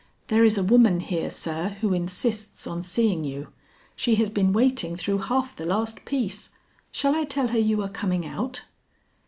"There is a woman here, sir, who insists on seeing you; she has been waiting through half the last piece. Shall I tell her you are coming out?"